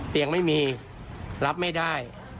เตียงไม่มีรับไม่ได้